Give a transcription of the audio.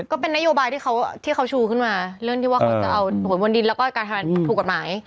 ก็เป็นนโยบายที่เขาชูขึ้นมาเรื่องที่ว่าเขาจะเอาหวยบนดินแล้วก็การทำงานถูกกฎหมาย